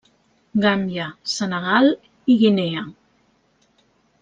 Gàmbia, Senegal i Guinea.